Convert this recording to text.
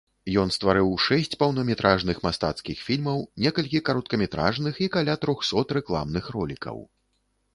Ён стварыў шэсць поўнаметражных мастацкіх фільмаў, некалькі кароткаметражных і каля трохсот рэкламных ролікаў.